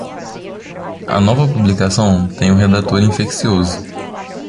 A nova publicação tem um redator infeccioso.